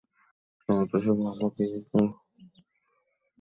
সম্ভবত সে ভাল গৃহিণীই হতে পারবে।